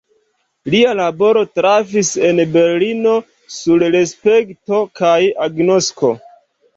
Lia laboro trafis en Berlino sur respekto kaj agnosko.